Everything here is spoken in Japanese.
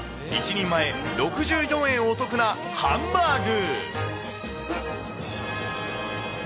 １人前６４円お得なハンバーグ。